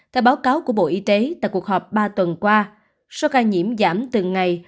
theo báo cáo của bộ y tế tại cuộc họp ba tuần qua số ca nhiễm giảm từng ngày